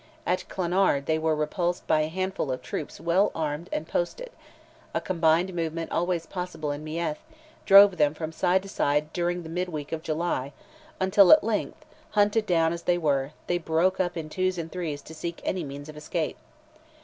At Clonard they were repulsed by a handful of troops well armed and posted; a combined movement always possible in Meath, drove them from side to side during the midweek of July, until at length, hunted down as they were, they broke up in twos and threes to seek any means of escape.